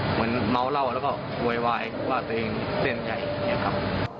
เหมือนเมาเหล้าแล้วก็โวยวายว่าตัวเองเต้นใหญ่อย่างนี้ครับ